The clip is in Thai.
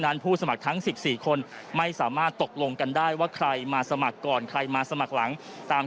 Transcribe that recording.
ผู้สมัครทั้ง๑๔คนไม่สามารถตกลงกันได้ว่าใครมาสมัครก่อนใครมาสมัครหลังตาม